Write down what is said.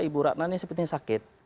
ibu ratna ini sepertinya sakit